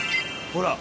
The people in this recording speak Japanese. ほら。